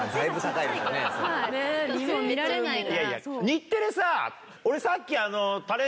日テレさ俺さっき。